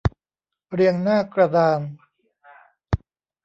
เรียงหน้ากระดาน